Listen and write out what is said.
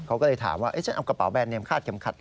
เขาก็เลยถามว่าฉันเอากระเป๋าแบรนเมมคาดเข็มขัด